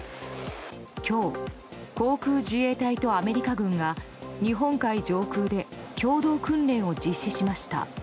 今日、航空自衛隊とアメリカ軍が日本海上空で共同訓練を実施しました。